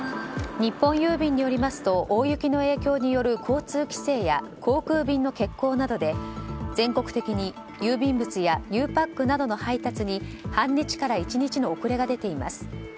日本郵便によりますと大雪の影響による交通規制や航空便の欠航などで全国的に郵便物やゆうパックなどの配達に半日から１日の遅れが出ています。